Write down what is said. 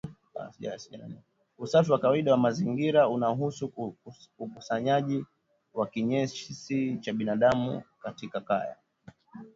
Usafi wa kawaida wa mazingira unahusu ukusanyaji wa kinyesi cha binadamu katika kaya